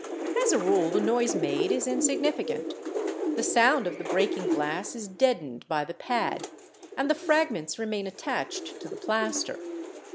As a rule the noise made is insignificant: the sound of the breaking glass is deadened by the pad, and the frag ments remain attached to the plaster.